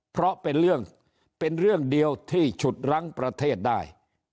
เพราะเป็นเรื่องเป็นเรื่องเดียวที่ฉุดรั้งประเทศได้